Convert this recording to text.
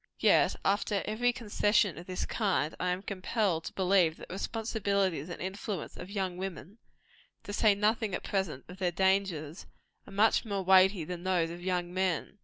Yet, after every concession of this kind, I am compelled to believe that the responsibilities and influence of young women to say nothing at present of their dangers are much more weighty than those of young men.